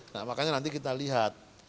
nah makanya nanti kita lihat